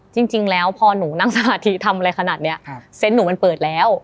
จริงแล้วพอหนูนั่งสมาธิทำอะไรขนาดนี้เซนต์หนูมันเปิดแล้ว